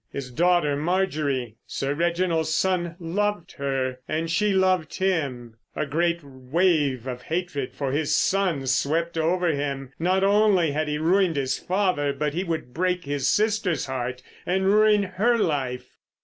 His daughter Marjorie. Sir Reginald's son loved her—and she loved him. A great wave of hatred for his son swept over him. Not only had he ruined his father, but he would break his sister's heart and ruin her life.